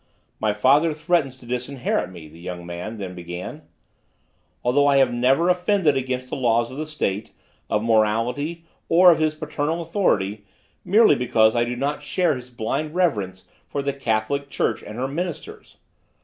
"My father threatens to disinherit me," the young man then began, "although I have never offended against the laws of the State, of morality or of his paternal authority, merely because I do not share his blind reverence for the Catholic Church and her Ministers.